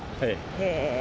へえ。